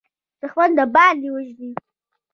دښمن درباندې وژني.